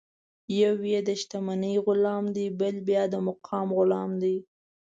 یو یې د شتمنۍ غلام دی، بل بیا د مقام غلام دی.